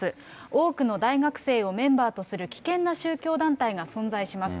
多くの大学生をメンバーとする危険な宗教団体が存在します。